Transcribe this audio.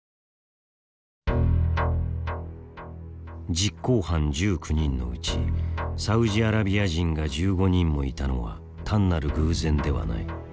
実行犯１９人のうちサウジアラビア人が１５人もいたのは単なる偶然ではない。